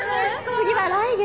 次は来月？